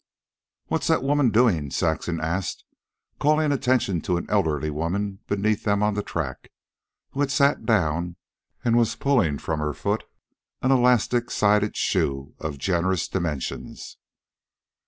"What's that woman doing?" Saxon asked, calling attention to an elderly woman beneath them on the track, who had sat down and was pulling from her foot an elastic sided shoe of generous dimensions.